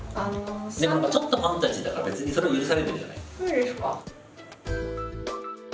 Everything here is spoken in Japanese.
でも何かちょっとファンタジーだから別にそれは許されるんじゃない？